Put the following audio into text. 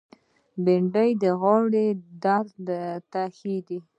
بېنډۍ د غاړې درد ته ښه ده